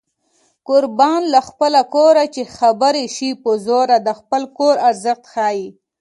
قربان له خپله کوره چې خبرې شي په زوره د خپل کور ارزښت ښيي